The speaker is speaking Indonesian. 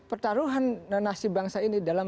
pertaruhan nasib bangsa ini dalam